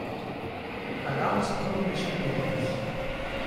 Regals ablaneixen pedres.